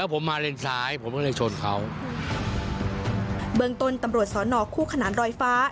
เบื้องต้นตำรวจสนคู่ขนาดรอยฟ้า